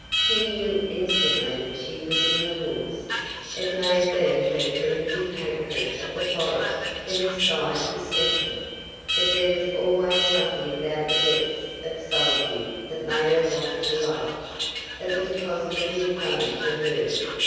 She knew instantly that she was in the woods. It may have been her primitive hatred of the forest that inspired this sentiment, but there was always something about the depths of solitude that made her want to laugh it was positively funny to her.